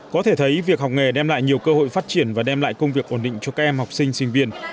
có thể thấy việc học nghề đem lại nhiều cơ hội phát triển và đem lại công việc ổn định cho các em học sinh sinh viên